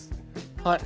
はい。